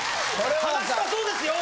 話したそうですよ！